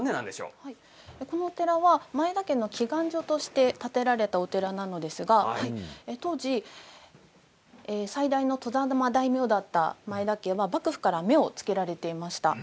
このお寺は前田家の祈願所として建てられたお寺なんですが当時、最大の外様大名だった前田家は、幕府から目を付けられていました。